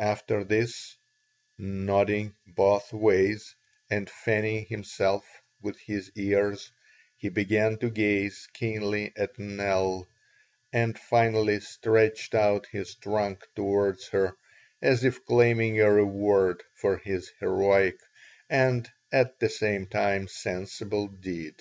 After this, nodding both ways and fanning himself with his ears, he began to gaze keenly at Nell, and finally stretched out his trunk towards her as if claiming a reward for his heroic and, at the same time, sensible deed.